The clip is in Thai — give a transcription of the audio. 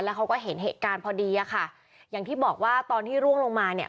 เขาก็เห็นเหตุการณ์พอดีอะค่ะอย่างที่บอกว่าตอนที่ร่วงลงมาเนี่ย